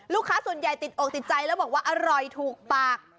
ลูกค้าส่วนใหญ่ติดอกติดใจแล้วบอกว่าอร่อยถูกปาก